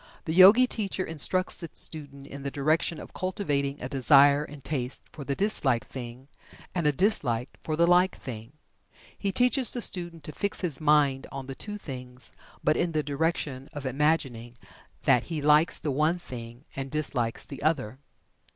The Yogi teacher instructs the student in the direction of cultivating a desire and taste for the disliked thing, and a dislike for the liked thing. He teaches the student to fix his mind on the two things, but in the direction of imagining that he likes the one thing and dislikes the other.